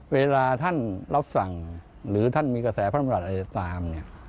เวลาท่านรับสั่งหรือมีกระแสพันมาตรอาจจะตาม